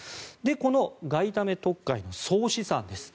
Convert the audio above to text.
この外為特会の総資産です。